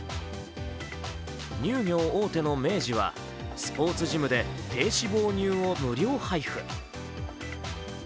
乳業大手の明治はスポーツジムで低脂肪乳を無料配布。